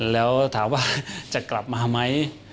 แล้วถามว่าจะกลับมาไหม